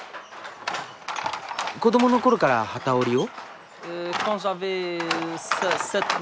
子どもの頃から機織りを？